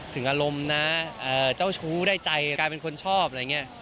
อารมณ์นะเจ้าชู้ได้ใจกลายเป็นคนชอบอะไรอย่างนี้